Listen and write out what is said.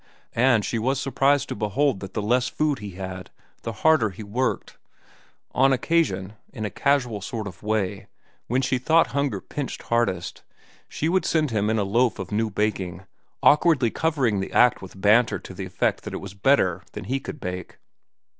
And she was surprised to behold that the less food he had, the harder he worked. On occasion, in a casual sort of way, when she thought hunger pinched hardest, she would send him in a loaf of new baking, awkwardly covering the act with banter to the effect that it was better than he could bake.